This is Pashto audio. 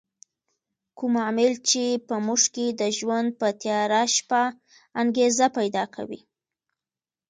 کوم عامل چې په موږ کې د ژوند په تیاره شپه انګېزه پیدا کوي.